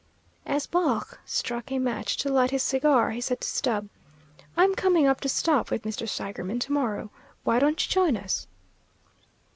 As Baugh struck a match to light his cigar, he said to Stubb, "I'm coming up to stop with Mr. Seigerman to morrow. Why don't you join us?"